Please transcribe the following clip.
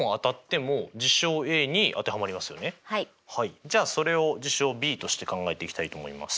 はいじゃあそれを事象Ｂとして考えていきたいと思います。